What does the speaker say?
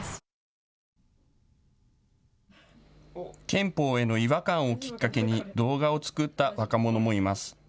憲法への違和感をきっかけに動画を作った若者もいます。